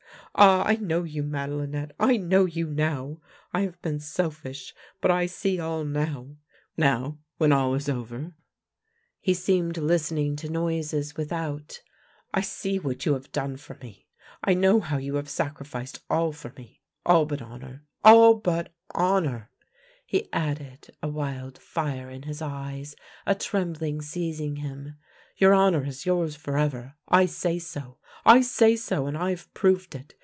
Ah, I know you, Madelinette — I know you now. I have been selfish, but I see all now. Now when all is over "— he seemed listening to noises with 86 THE LANE THAT HAD NO TURNING out —" I see what you have done for me. I know how you have sacrificed all for me — all but honour — all but honour !" he added, a wild fire in his eyes, a trem bling seizing him. " Your honour is yours forever. I say so. I say so, and I have proved it.